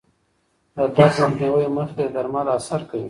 د درد مخنیوي مخکې درمل اثر کوي.